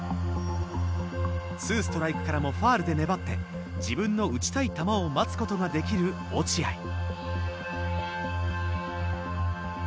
２ストライクからもファウルで粘って自分の打ちたい球を待つことができる落合。